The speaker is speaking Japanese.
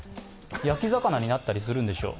焼き魚になったりするんでしょう。